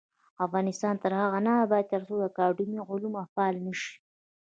افغانستان تر هغو نه ابادیږي، ترڅو اکاډمي علوم فعاله نشي.